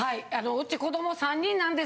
うち子ども３人なんです。